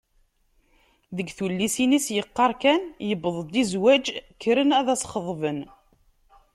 Deg tullisin-is yeqqar kan: “yewweḍ-d i zzwaj, kkren ad s-d-xeḍben”.